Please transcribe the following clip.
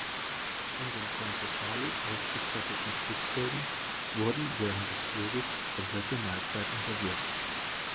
In den komfortabel ausgestatteten Flugzeugen wurden während des Fluges komplette Mahlzeiten serviert.